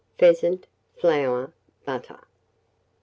Pheasant, flour, butter.